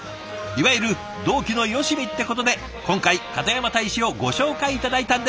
いわゆる同期のよしみってことで今回片山大使をご紹介頂いたんです。